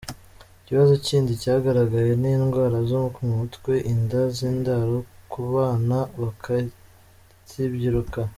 Ikibazo kindi cyagaragaye ni indwara zo mu mutwe, inda z’indaro ku bana bakibyiruka.